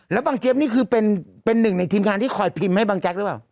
แล้วบางเจี๊ยบนี่คือเป็นหนึ่งในทีมงานที่คอยพิมพ์ให้บางแจ๊กหรือเปล่า